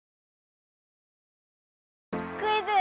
クイズ！